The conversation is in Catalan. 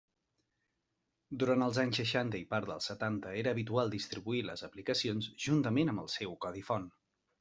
Durant els anys seixanta i part dels setanta era habitual distribuir les aplicacions juntament amb el seu codi font.